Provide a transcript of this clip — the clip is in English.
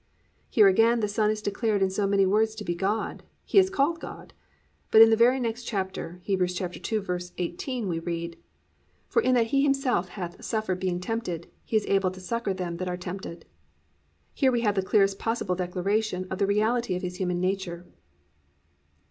"+ Here again the Son is declared in so many words to be God, He is called God. But in the very next chapter, Heb. 2:18, we read, +"For in that He himself hath suffered being tempted, He is able to succor them that are tempted."+ Here we have the clearest possible declaration of the reality of His human nature.